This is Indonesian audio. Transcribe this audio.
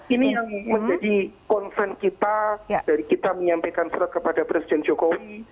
ini yang menjadi concern kita dari kita menyampaikan surat kepada presiden jokowi